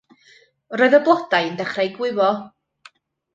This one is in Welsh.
Roedd y blodau yn dechrau gwywo.